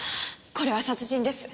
これは殺人です！